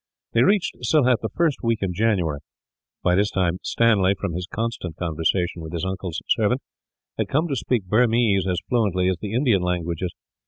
They reached Sylhet the first week in January. By this time Stanley, from his constant conversation with his uncle's servant, had come to speak Burmese as fluently as the Indian languages.